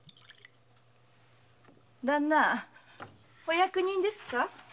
旦那お役人ですか？